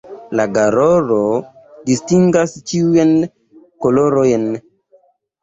La garolo distingas ĉiujn kolorojn.